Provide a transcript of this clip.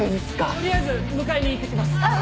取りあえず迎えに行ってきます。